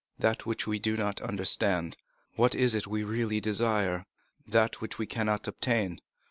—that which we do not understand. What is it that we really desire?—that which we cannot obtain.